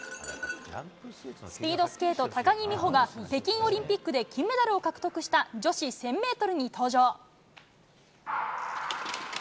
スピードスケート、高木美帆が、北京オリンピックで金メダルを獲得した女子１０００メートルに登場。